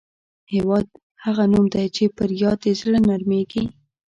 هېواد هغه نوم دی چې پر یاد یې زړه نرميږي.